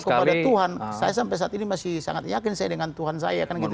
tetapi kalau kepada tuhan saya sampai saat ini masih sangat yakin saya dengan tuhan saya kan gitu